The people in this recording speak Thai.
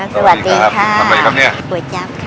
สวัสดีครับทำไรค่ะมี่